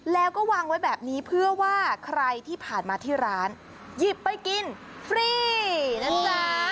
แล้วก็วางไว้แบบนี้เพื่อว่าใครที่ผ่านมาที่ร้านหยิบไปกินฟรีนะจ๊ะ